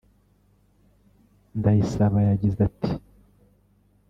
Mdayisaba yagize ati